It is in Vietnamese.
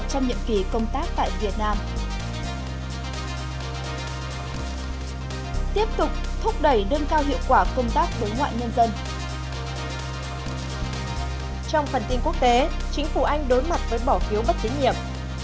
trong phần tin quốc tế chính phủ anh đối mặt với bỏ phiếu bất tín nhiệm